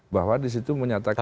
bahwa di situ menyatakan